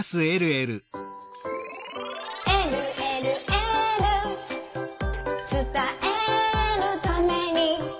「えるえるエール」「つたえるために」